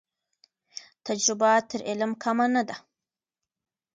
تجربه تر علم کمه نه ده.